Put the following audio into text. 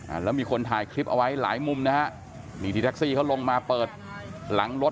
แล้วมีคนถ่ายคลิปเอาไว้หลายมุมนะฮะนี่ที่แท็กซี่เขาลงมาเปิดหลังรถ